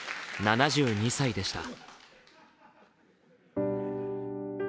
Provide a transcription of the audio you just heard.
７２歳でした。